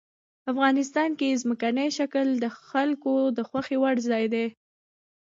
افغانستان کې ځمکنی شکل د خلکو د خوښې وړ ځای دی.